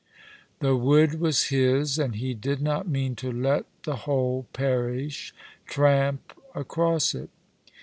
The wood was his, and he did not mean to let the whole parish tramp across it.